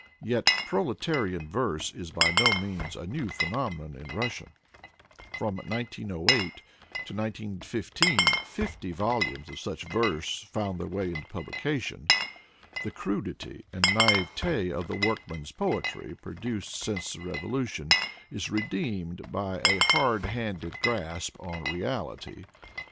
Yet proletarian verse is by no means a new phenomenon in Russia. From 1908 to 19 15 fifty volumes of such verse found their way to publication. The crudity and naivete of the workmen's poetry produced since the revo lution is redeemed by a hard handed grasp on reality.